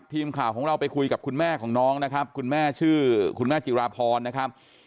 ทีมข่าวของเราไปคุยกับคุณแม่ของน้องนะครับคุณแม่ชื่อคุณแม่จิราพรนะครับ